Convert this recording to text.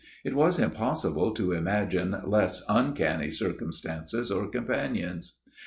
It is impossible to imagine less uncanny circumstances or companions.